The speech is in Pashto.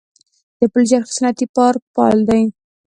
د پلچرخي صنعتي پارک فعال دی